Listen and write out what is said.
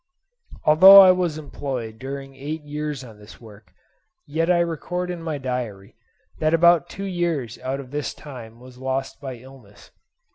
Although I was employed during eight years on this work, yet I record in my diary that about two years out of this time was lost by illness.